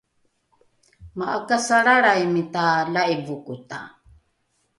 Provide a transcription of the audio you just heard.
ma’akasalralraimita la’ivokota